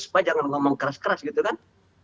supaya jangan ngomong keras keras gitu kan